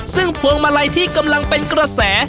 ซึ่งพวงมาลัยที่กำลังเป็นกระแส